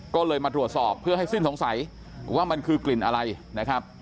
ก็เลยมาตรวจสอบเพื่อให้สิ้นสงสัยว่ามันคือกลิ่นอะไรนะครับ